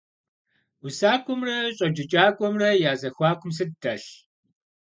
УсакӀуэмрэ щӀэджыкӀакӀуэмрэ я зэхуакум сыт дэлъ?